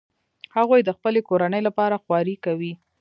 هغوی د خپلې کورنۍ لپاره خواري کوي